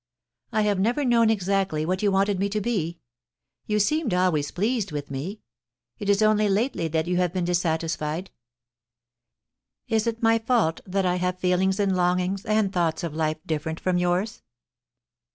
... I have never known exactly what you wanted me to be — you seemed always pleased with me — it is only lately that you have been dissatisfied. Is it my fault that I have feelings and longings and thoughts of life different from yours